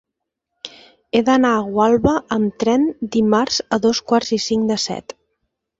He d'anar a Gualba amb tren dimarts a dos quarts i cinc de set.